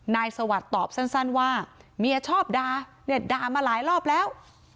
สวัสดิ์ตอบสั้นว่าเมียชอบด่าเนี่ยด่ามาหลายรอบแล้ว